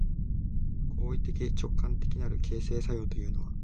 行為的直観的なる形成作用というのは、